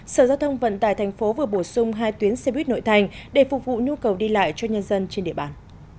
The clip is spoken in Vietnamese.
sở giao thông vận tài thành phố vừa bổ sung hai tuyến xe buýt nội thành để phục vụ nhu cầu đi lại cho nhân dân trên địa bàn